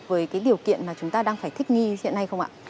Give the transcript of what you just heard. với cái điều kiện mà chúng ta đang phải thích nghi hiện nay không ạ